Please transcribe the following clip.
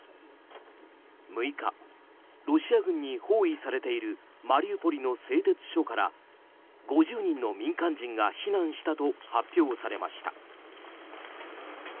６日、ロシア軍に包囲されているマリウポリの製鉄所から５０人の民間人が避難したと発表されました。